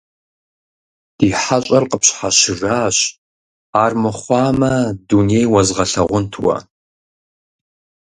Ди хьэщӀэр къыпщхьэщыжащ армыхъуамэ дуней уэзгъэлъагъунт уэ.